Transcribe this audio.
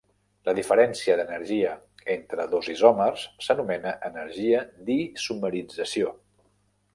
La diferència d'energia entre dos isòmers s'anomena "energia d'isomerització".